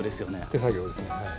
手作業ですねはい。